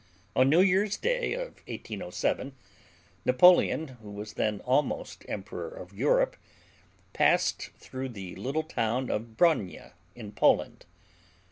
On New Year's Day of 1807 Napoleon, who was then almost Emperor of Europe, passed through the little town of Bronia, in Poland.